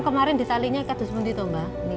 semarin di tali eko dihantar